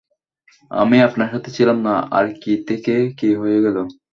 আমি আপনার সাথে ছিলাম না, আর কী থেকে কী হয়ে গেলো।